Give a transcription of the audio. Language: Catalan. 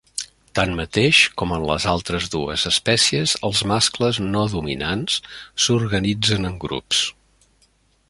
Tanmateix, com en les altres dues espècies, els mascles no dominants s'organitzen en grups.